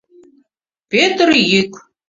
Пӧтыр йӱк.